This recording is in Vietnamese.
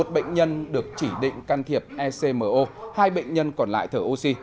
về định can thiệp ecmo hai bệnh nhân còn lại thở oxy